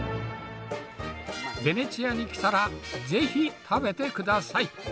ベネチアに来たらぜひ食べてください。